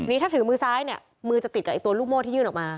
นี่ถ้าถือมือซ้ายเนี่ยมือจะติดกับตัวลูกโม่ที่ยื่นออกมา